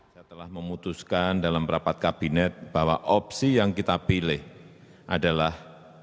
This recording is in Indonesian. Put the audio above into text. saya telah memutuskan dalam rapat kabinet bahwa opsi yang kita pilih adalah